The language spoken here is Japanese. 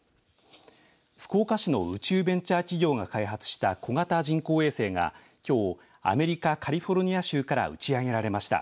福岡市の宇宙ベンチャー企業が開発した小型人工衛星がきょうアメリカ・カリフォルニア州から打ち上げられました。